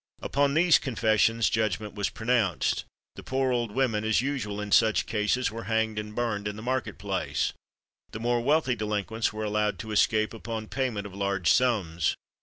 Upon these confessions judgment was pronounced. The poor old women, as usual in such cases, were hanged and burned in the market place; the more wealthy delinquents were allowed to escape upon payment of large sums.